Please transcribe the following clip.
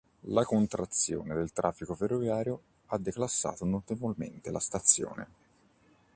La contrazione del traffico ferroviario ha declassato notevolmente la stazione.